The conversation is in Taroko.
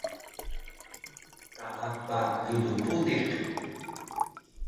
Taapa rulu puniq